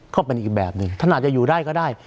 ก็เป็นอีกแบบหนึ่งท่านอาจจะอยู่ได้ก็ได้